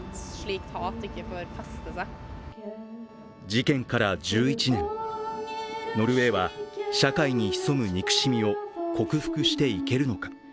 事件から１１年、ノルウェーは社会に潜む憎しみを克服していけるのか。